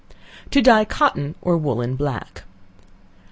To Dye Cotton or Woollen Black.